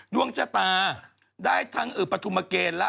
ดวงชตาได้ทั้งปทุมเกรรและ